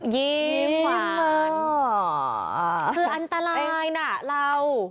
ยิ้มคืออันตรายนะเรา